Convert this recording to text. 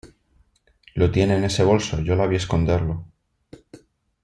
lo tiene en ese bolso, yo la vi esconderlo.